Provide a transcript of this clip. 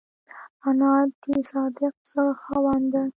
انا د صادق زړه خاوند ده